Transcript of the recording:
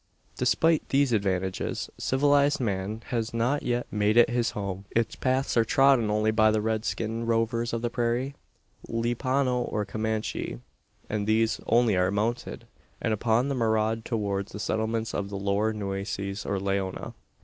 Despite these advantages, civilised man has not yet made it his home. Its paths are trodden only by the red skinned rovers of the prairie Lipano or Comanche and these only when mounted, and upon the maraud towards the settlements of the Lower Nueces, or Leona.